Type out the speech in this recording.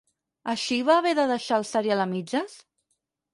Així va haver de deixar el serial a mitges?